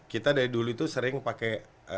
kita dari dulu itu sering pakai